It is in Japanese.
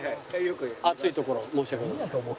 暑いところ申し訳ございません。